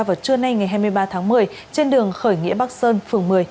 vào trưa nay ngày hai mươi ba tháng một mươi trên đường khởi nghĩa bắc sơn phường một mươi